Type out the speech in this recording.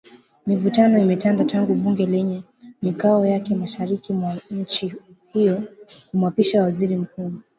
Mivutano imetanda tangu bunge lenye makao yake mashariki mwa nchi hiyo kumwapisha Waziri Mkuu